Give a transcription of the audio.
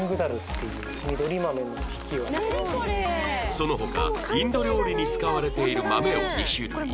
その他インド料理に使われている豆を２種類